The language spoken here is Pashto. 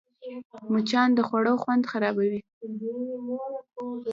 مچان د خوړو خوند خرابوي